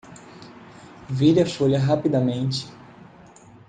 Vire a folha rapidamente